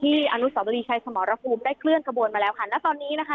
ที่อนุสบริชัยสมรภูมิได้เคลื่อนกระบวนมาแล้วค่ะแล้วตอนนี้นะคะ